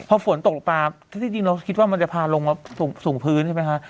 พอฝนตกลงมาถ้าจริงเราคิดว่ามันจะพาลงมาสู่พื้นใช่ไหมคะ